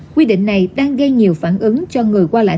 quy định này đang gây nhiều phản ứng cho người qua lại